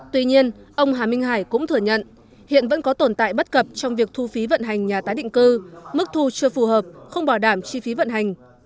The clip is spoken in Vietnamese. tuy nhiên ông hà minh hải cũng thừa nhận hiện vẫn có tồn tại bất cập trong việc thu phí vận hành nhà tái định cư mức thu chưa phù hợp không bảo đảm chi phí vận hành